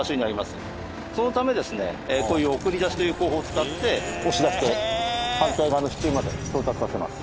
そのためですねこういう送り出しという方法を使って押し出して反対側の支柱まで到達させます。